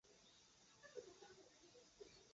卵形飘拂草为莎草科飘拂草属下的一个种。